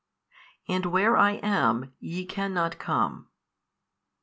And where I am, YE cannot come.